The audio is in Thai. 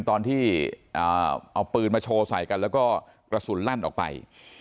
ตอนที่เอาปืนมาโชว์ใส่กันแล้วก็กระสุนลั่นออกไป